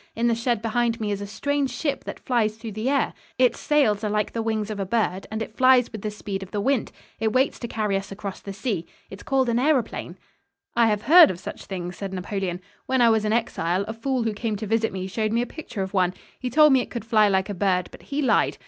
In the shed behind me is a strange ship that flies through the air. Its sails are like the wings of a bird, and it flies with the speed of the wind. It waits to carry us across the sea. It is called an aëroplane." "I have heard of such things," said Napoleon. "When I was in exile, a fool who came to visit me showed me a picture of one. He told me it could fly like a bird, but he lied.